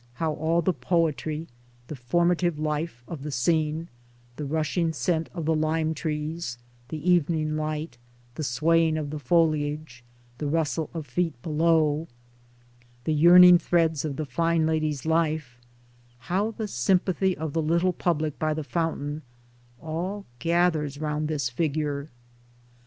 how all the poetry, the formative life, of the scene — the rushing scent of the lime trees, the evening light, the swaying of the foliage, the rustle of feet below, The yearning threads of the fine lady's life — how the sympathy of the little public by the fountain — all gathers round this figure.